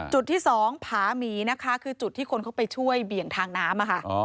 จุดที่สองผาหมีนะคะคือจุดที่คนเข้าไปช่วยเบี่ยงทางน้ำ